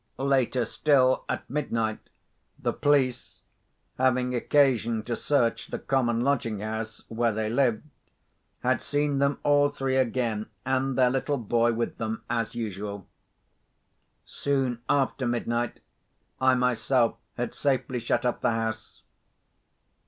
Later still, at midnight, the police, having occasion to search the common lodging house where they lived, had seen them all three again, and their little boy with them, as usual. Soon after midnight I myself had safely shut up the house.